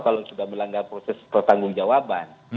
kalau sudah melanggar proses pertanggung jawaban